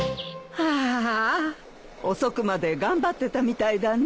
遅くまで頑張ってたみたいだね。